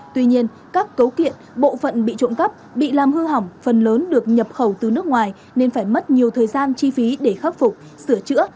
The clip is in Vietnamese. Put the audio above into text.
tuy nhiên các cấu kiện bộ phận bị trộm cắp bị làm hư hỏng phần lớn được nhập khẩu từ nước ngoài nên phải mất nhiều thời gian chi phí để khắc phục sửa chữa